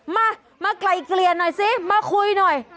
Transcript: มามาไกลเกลี่ยหน่อยสิมาคุยหน่อย